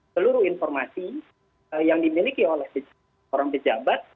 seluruh informasi yang dimiliki oleh orang pejabat